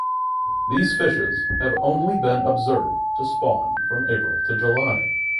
These fishes have only been observed to spawn from April to July.